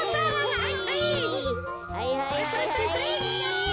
はいはいはいはい。